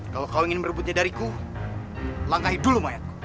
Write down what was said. kalau kamu ingin merebutnya dariku langgai dulu mayatku